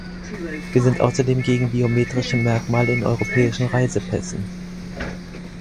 Wir sind außerdem gegen biometrische Merkmale in europäischen Reisepässen.